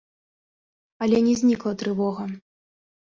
Але не знікла трывога.